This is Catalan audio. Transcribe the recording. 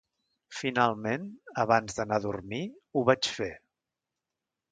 Finalment, abans d'anar a dormir, ho vaig fer.